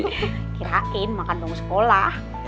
kirain makan bangku sekolah